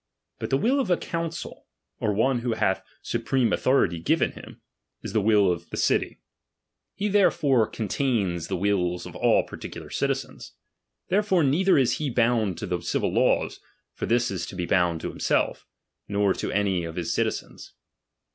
But the will of a council, or one who hath supreme authority given him, is the will of 84 DOMINION. . the city : he therefore contains tlie wills of all particular citizens. Therefore neither is he bound to the civil laws ; for this is to be bound to himself; nor to any of his citizens.